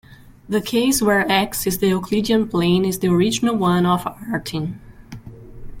The case where "X" is the Euclidean plane is the original one of Artin.